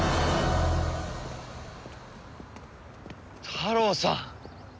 タロウさん。